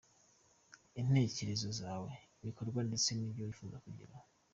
intekerezo zawe, ibikorwa ndetse n’ibyo wifuza kugerao.